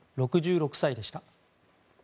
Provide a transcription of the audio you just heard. ６６歳でした。